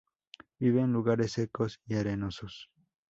Vive en lugares secos y arenosos.